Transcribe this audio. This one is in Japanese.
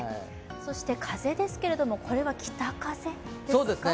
そして風ですけれどもこれは北風ですか？